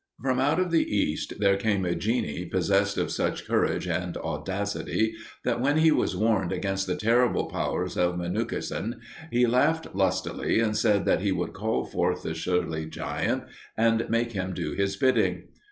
From out of the East there came a genie possessed of such courage and audacity that when he was warned against the terrible powers of Menuhkesen he laughed lustily and said that he would call forth the surly giant and make him do his bidding.